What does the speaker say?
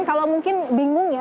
kalau mungkin bingung ya